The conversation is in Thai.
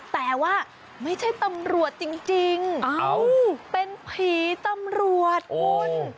แต่ว่าไม่ใช่ตำรวจจริงเป็นผีตำรวจคุณ